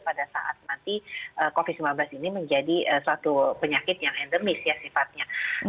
pada saat nanti covid sembilan belas ini menjadi suatu penyakit yang endemis ya sifatnya